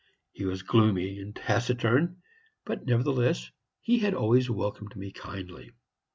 He was gloomy and taciturn, but nevertheless he had always welcomed me kindly.